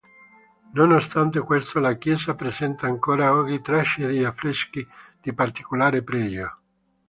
Nonostante questo la chiesa presenta ancora oggi tracce di affreschi di particolare pregio.